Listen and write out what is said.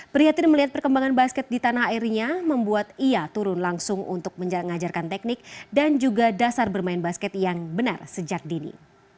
prihatin melihat perkembangan basket di tanah airnya membuat ia turun langsung untuk mengajarkan teknik dan juga dasar bermain basket yang benar sejak dini